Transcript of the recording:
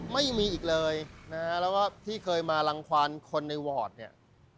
ไม่มีอีกเลยนะฮะแล้วก็ที่เคยมารังความคนในวอร์ดเนี่ย